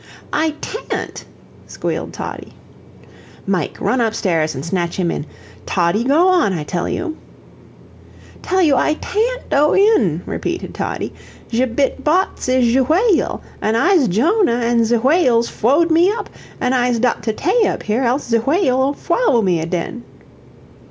"I tan't," squealed Toddie. "Mike, run up stairs and snatch him in; Toddie, go on, I tell you!" "Tell you I TAN'T doe in," repeated Toddie. "ZE bit bots ish ze whay al, an' I'ez Djonah, an' ze whay al's froed me up, an' I'ze dot to 'tay up here else ze whay al 'ill fwallow me aden."